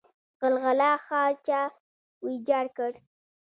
غلغله ښار چا ویجاړ کړ؟